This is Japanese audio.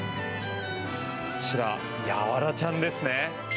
こちらヤワラちゃんですね。